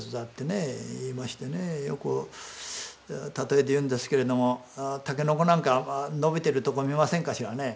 よく例えで言うんですけれどもタケノコなんか伸びてるところを見ませんかしらね。